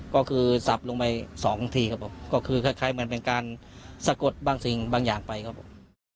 ก็คือสับลงไปสองทีครับผมก็คือคล้ายเหมือนเป็นการสะกดบางสิ่งบางอย่างไปครับผม